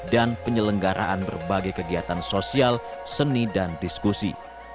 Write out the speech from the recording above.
dan penyelenggaraan berbagai kegiatan sosial seni dan diskusi